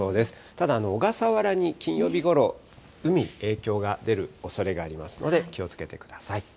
ただ、小笠原に金曜日ごろ、海、影響が出るおそれがありますので、気をつけてください。